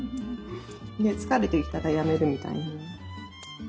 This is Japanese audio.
で疲れてきたらやめるみたいな。